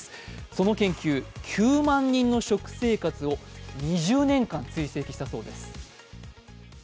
その研究、９万人の食生活を２０年間追跡したそうです。